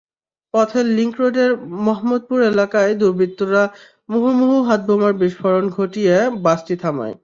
পথে লিংক রোডের মাহমুদপুর এলাকায় দুর্বৃত্তরা মুহুর্মুহু হাতবোমার বিস্ফোরণ ঘটিয়ে বাসটি থামায়।